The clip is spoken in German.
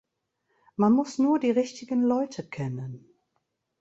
Man muss nur die richtigen Leute kennen.